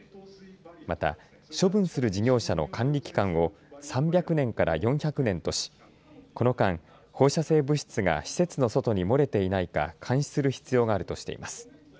また処分する事業者の管理期間を３００年から４００年としこの間、放射性物質が施設の外に漏れていないか監視する必要があるとしています。